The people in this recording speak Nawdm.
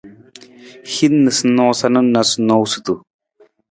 Hin noosanoosa na noosunonosutu.